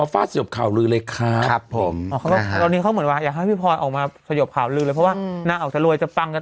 แล้วแฟนเขาก็โห้ทรัพย์หนาอยู่